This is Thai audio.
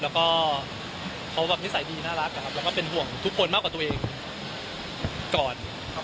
แล้วก็เขาแบบนิสัยดีน่ารักนะครับแล้วก็เป็นห่วงทุกคนมากกว่าตัวเองก่อนครับ